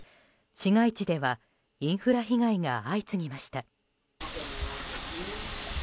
市街地ではインフラ被害が相次ぎました。